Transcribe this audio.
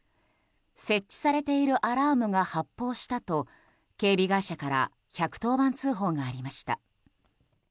設置されているアラームが発報したと警備会社から１１０番通報がありました。